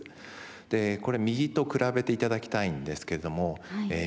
でこれ右と比べて頂きたいんですけれども右の写真